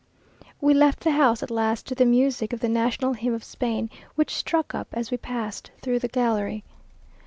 We left the house at last to the music of the national hymn of Spain, which struck up as we past through the gallery.